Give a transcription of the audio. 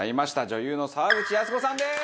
女優の沢口靖子さんです！